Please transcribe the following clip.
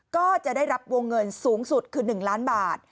ก็จะได้รับวงเงินสูงสุดคือ๑ล้านบาท